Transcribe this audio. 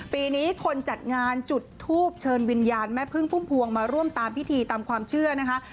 ปีนี้คนจัดงานจุดทูปเชิญวิญญาณแม่พึ่งพุ่มพวงมาร่วมตามพิธีตามความเชื่อนะคะ